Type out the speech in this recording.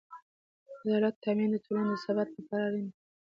د عدالت تأمین د ټولنې د ثبات لپاره اړین دی.